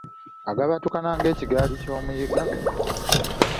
Agabattukana ng’ekigaali ky’omuyiga.